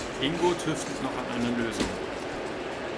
Ingo tüftelt noch an einer Lösung.